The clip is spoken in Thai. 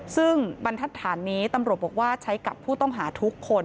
ซึ่งบรรทัศน์นี้ตำรวจบอกว่าใช้กับผู้ต้องหาทุกคน